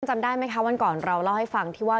จำได้ไหมคะวันก่อนเราเล่าให้ฟังที่ว่า